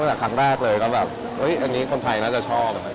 แล้วสักครั้งแรกเลยก็แบบอยหืออันนี้คนไทยน่าจะชอบ